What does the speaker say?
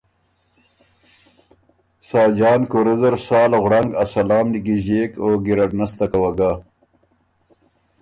ساجان کُورۀ زر سال غوړنګ ا سلام نیکیݫیېک او ګېرډ نستکه وه ګۀ۔